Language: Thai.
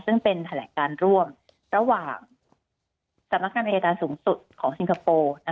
ซึ่งเป็นแถลงการร่วมระหว่างสำนักงานอายการสูงสุดของสิงคโปร์